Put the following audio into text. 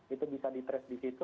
itu bisa di trace di situ